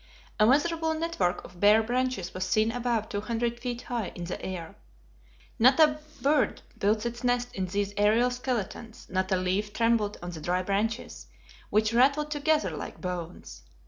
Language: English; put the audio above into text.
A miserable network of bare branches was seen above two hundred feet high in the air. Not a bird built its nest in these aerial skeletons; not a leaf trembled on the dry branches, which rattled together like bones.